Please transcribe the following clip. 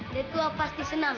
dekua pasti senang